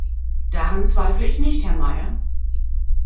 Daran zweifle ich nicht, Herr Mayer.